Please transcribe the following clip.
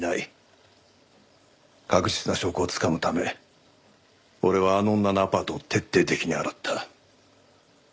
確実な証拠をつかむため俺はあの女のアパートを徹底的に洗った。